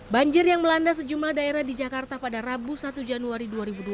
banjir yang melanda sejumlah daerah di jakarta pada rabu satu januari dua ribu dua puluh